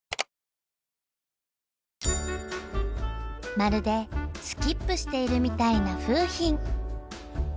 まるでスキップしているみたいな楓浜。